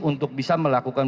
untuk bisa melakukan